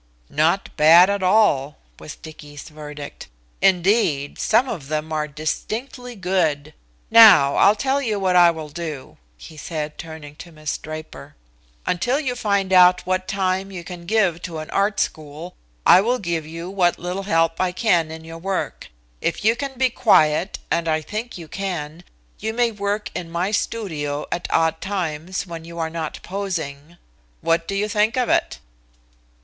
"Not bad at all," was Dicky's verdict. "Indeed, some of them are distinctly good. Now I'll tell you what I will do," he said, turning to Miss Draper. "Until you find out what time you can give to an art school, I will give you what little help I can in your work. If you can be quiet, and I think you can, you may work in my studio at odd times, when you are not posing. What do you think of it?"